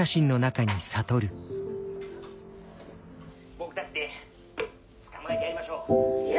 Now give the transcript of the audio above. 「僕たちで捕まえてやりましょう」。